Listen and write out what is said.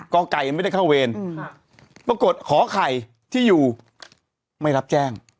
ก็ไก่ยังไม่ได้เข้าเวรปรากฏหอไข่ที่อยู่ไม่รับแจ้ง